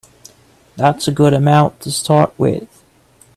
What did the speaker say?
That's a good amount to start with.